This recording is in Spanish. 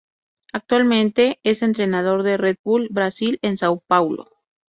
Actualmente es entrenador del Red Bull Brasil, en São Paulo.